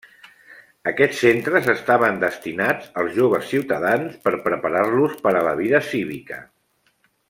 Aquests centres estaven destinats als joves ciutadans per preparar-los per a la vida cívica.